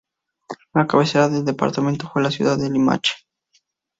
La cabecera del Departamento fue la ciudad de Limache.